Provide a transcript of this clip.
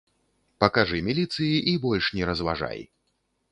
Пакажы міліцыі і больш не разважай.